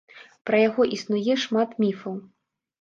Пра яго існуе шмат міфаў.